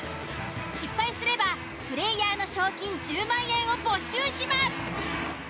失敗すればプレイヤーの賞金１０万円を没収します。